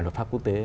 luật pháp quốc tế